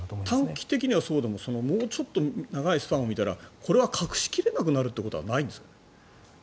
短期的にはそうでももうちょっと長いスパンで見たらこれは隠し切れなくなるということはないんですか？